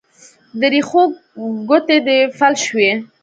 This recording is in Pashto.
د رېښو ګوتې دې فلج شوي